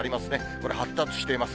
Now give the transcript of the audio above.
これ発達しています。